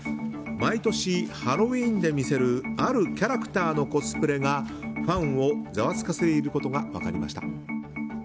毎年ハロウィーンで見せるあるキャラクターのコスプレがファンをざわつかせていることが分かりました。